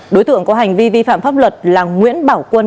đối tượng có hành vi vi phạm pháp luật là nguyễn bảo quân